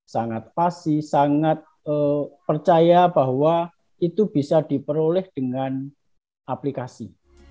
sangat pasi sangat percaya bahwa itu bisa diperoleh dengan aplikasi